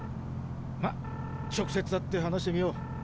ま直接会って話してみよう。